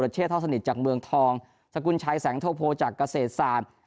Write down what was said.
เชษเท่าสนิทจากเมืองทองสกุลชัยแสงโทโพจากเกษตรศาสตร์